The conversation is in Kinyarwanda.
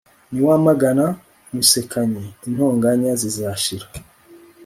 niwamagana umusekanyi, intonganya zizashira